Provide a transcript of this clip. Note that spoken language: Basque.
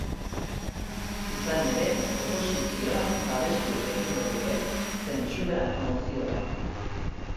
Izan ere, oposizioak babestu egingo luke zentsura-mozioa.